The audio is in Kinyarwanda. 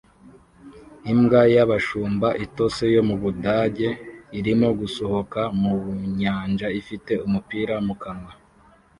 Imbwa y'Abashumba itose yo mu Budage irimo gusohoka mu nyanja ifite umupira mu kanwa